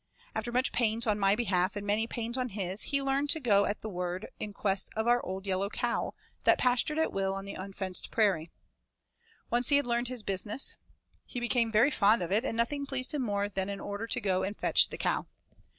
After much pains on my behalf and many pains on his, he learned to go at the word in quest of our old yellow cow, that pastured at will on the unfenced prairie. Once he had learned his business, he became very fond of it and nothing pleased him more than an order to go and fetch the cow.